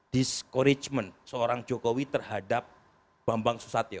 discouragement seorang jokowi terhadap bambang susatyo